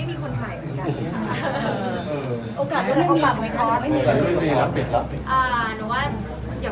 ถ้ากลับไปมันก็กลายเป็นแบบเราก็จะไม่สบายใจไปอยู่